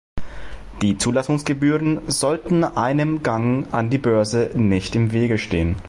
Die Zulassungsgebühren sollten einem Gang an die Börse nicht im Wege stehen.